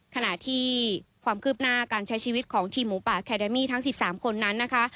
ขณะที่ความคืบหน้าการใช้ชีวิตของทีมหมูป่าแคเดมี่ทั้ง๑๓คนนั้นนะคะ